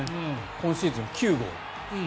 今シーズン９号。